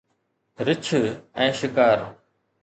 رڇ ۽ شڪار